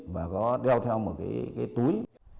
và có đeo theo một cái túi